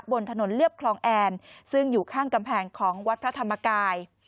บนถนนเรียบคลองแอนซึ่งอยู่ข้างกำแพงของวัดพระธรรมกาย